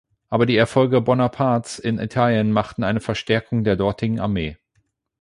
Aber die Erfolge Bonapartes in Italien machten eine Verstärkung der dortigen Armee.